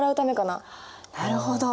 なるほど。